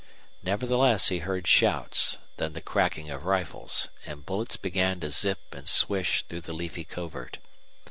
Nevertheless, he heard shouts, then the cracking of rifles, and bullets began to zip and swish through the leafy covert.